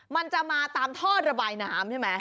มันจะมาตามท่อระบายน้ำใช่ไหม